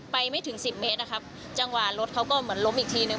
ไปไม่ถึง๑๐เมตรจังหวะรถเขาก็ล้มอีกทีหนึ่ง